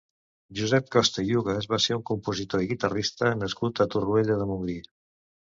Josep Costa i Hugas va ser un compositor i guitarrista nascut a Torroella de Montgrí.